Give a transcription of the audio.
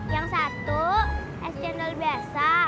yang satu es cendol biasa